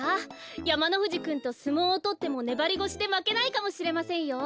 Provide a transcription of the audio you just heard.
やまのふじくんとすもうをとってもねばりごしでまけないかもしれませんよ。